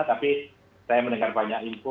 tapi saya mendengar banyak info